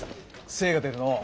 精が出るのう。